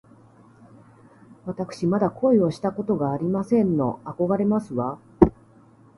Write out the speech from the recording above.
わたくしまだ恋をしたことがありませんの。あこがれますわ